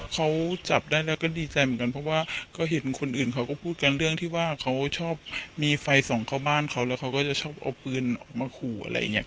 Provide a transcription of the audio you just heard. เขาจับได้แล้วก็ดีใจเหมือนกันเพราะว่าก็เห็นคนอื่นเขาก็พูดกันเรื่องที่ว่าเขาชอบมีไฟส่องเข้าบ้านเขาแล้วเขาก็จะชอบเอาปืนออกมาขู่อะไรอย่างนี้